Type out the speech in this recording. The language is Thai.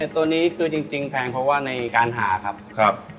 ตัวนี้คือจริงแพงเพราะว่าในการหาครับ